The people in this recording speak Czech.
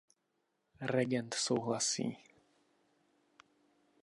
Regent souhlasí.